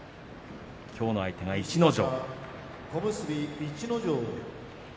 きょうの相手は逸ノ城。